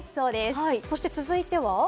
そして続いては？